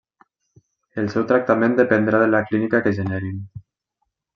El seu tractament dependrà de la clínica que generin.